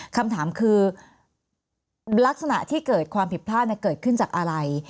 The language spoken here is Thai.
คำถามคือลักษณะที่เกิดความผิดพลาดเกิดขึ้นจากอะไร